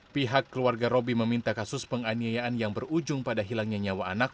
pihak keluarga roby meminta kasus penganiayaan yang berujung pada hilangnya nyawa anak